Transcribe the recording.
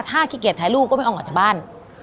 ถ้าขี้เกียจถ่ายลูกก็ไม่ยอมออกจากบ้าน